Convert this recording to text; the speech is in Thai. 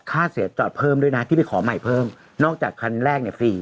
ค่าเสียจอดเพิ่มด้วยนะที่ไปขอใหม่เพิ่มนอกจากคันแรกเนี่ยฟรี